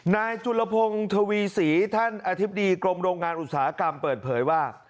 นายจุลพงศ์ทวีศรีท่านอธิบดีกรมโรงงานอุตสาหกรรมเปิดเผยว่า